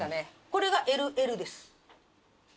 これがＬＬです。